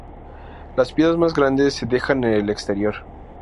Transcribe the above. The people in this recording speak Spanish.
Las piedras más grandes se dejan en el exterior.